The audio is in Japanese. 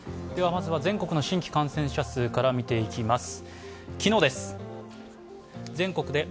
まずは、全国の新規感染者数から見ていきます。